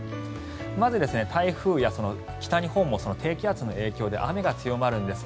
まず台風や北日本も低気圧の影響で雨が強まるんです。